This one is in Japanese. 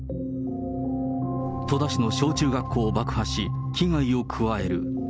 戸田市の小中学校を爆破し危害を加える。